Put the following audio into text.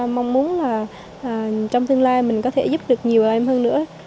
mong muốn là trong tương lai mình có thể giúp được nhiều em hơn nữa